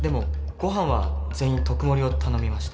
ご飯は全員特盛りを頼みました